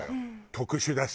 特殊だし。